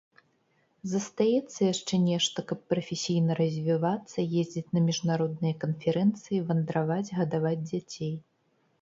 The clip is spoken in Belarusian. Застаецца яшчэ нешта, каб прафесійна развівацца, ездзіць на міжнародныя канферэнцыі, вандраваць, гадаваць дзяцей.